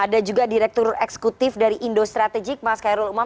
ada juga direktur eksekutif dari indo strategik mas khairul umam